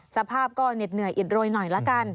สภาพก็เหน็ดเหนื่อยอิดโรยหน่อยละกัน